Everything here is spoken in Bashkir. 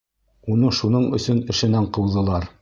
Уны шуның өсөн эшенән ҡыуҙылар.